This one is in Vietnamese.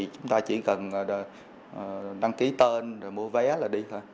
chúng ta chỉ cần đăng ký tên rồi mua vé là đi thôi